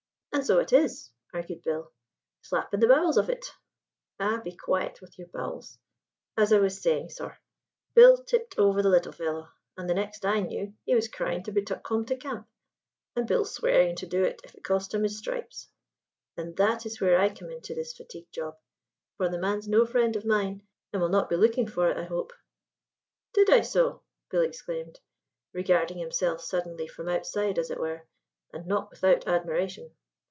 "And so it is," argued Bill; "slap in the bowels of it." "Ah, be quiet wid your bowels! As I was saying, sor, Bill tripped over the little fellow: and the next I knew he was crying to be tuk home to camp, and Bill swearing to do it if it cost him his stripes. And that is where I come into this fatigue job: for the man's no friend of mine, and will not be looking it, I hope." "Did I so?" Bill exclaimed, regarding himself suddenly from outside, as it were, and not without admiration.